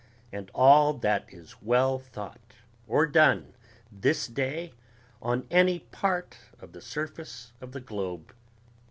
and all that is well thought or done this day on any part of the surface of the globe